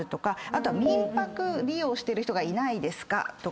あとは民泊利用をしてる人がいないですかとか。